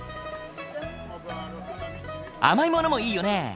甘いものもいいよね。